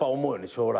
将来。